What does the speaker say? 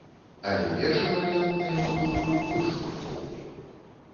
Але першы варыянт, на яго думку, больш грунтоўны.